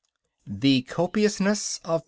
THE COPIOUSNESS OF MR.